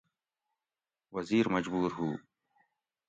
وزیر مجبُور ہُو